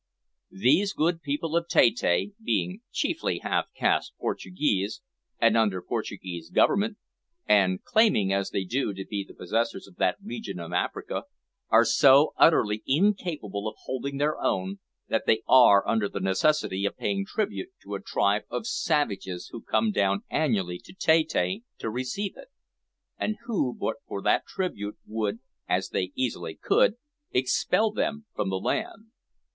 These good people of Tette being chiefly half caste Portuguese, and under Portuguese government, and claiming, as they do, to be the possessors of that region of Africa are so utterly incapable of holding their own, that they are under the necessity of paying tribute to a tribe of savages who come down annually to Tette to receive it, and who, but for that tribute, would, as they easily could, expel them from the land.